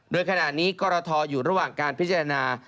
โดยขณะนี้กรทอยู่ระหว่างการพิจารณา